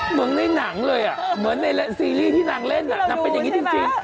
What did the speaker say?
เหมือนในหนังเลยอ่ะเหมือนในซีรีส์ที่นางเล่นนางเป็นอย่างนี้จริง